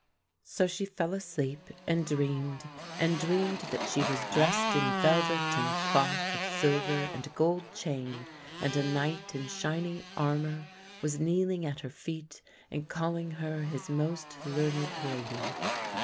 So she fell asleep and dreamed; and dreamed that she was dressed in velvet and cloth of silver and a gold chain; and a knight in shining armour was kneeling at her feet and calling her his most learned lady.